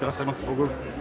僕。